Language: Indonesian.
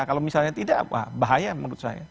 kalau misalnya tidak apa bahaya menurut saya